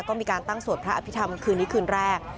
ก็มีการตั้งสวดพระอภิษฐรรมคืนนี้คืนแรก